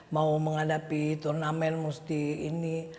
mau menghadapi turnamen mesti ini